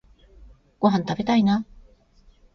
ごはんたべたいな